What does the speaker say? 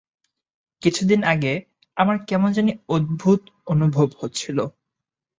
কিছুদিন আগে, আমার কেমন জানি অদ্ভুত অনুভব হচ্ছিল।